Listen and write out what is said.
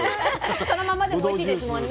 そのままでもおいしいですもんね。